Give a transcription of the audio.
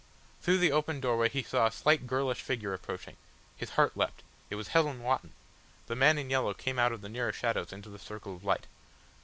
Through the open doorway he saw a slight girlish figure approaching. His heart leapt. It was Helen Wotton. The man in yellow came out of the nearer shadows into the circle of light.